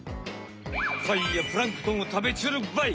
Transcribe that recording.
貝やプランクトンを食べちょるばい！